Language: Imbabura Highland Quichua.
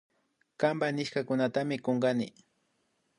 Kanpa nishkakunatami kunkakuni